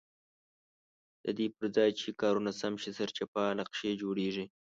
ددې پرځای چې کارونه سم شي سرچپه نقشې جوړېږي.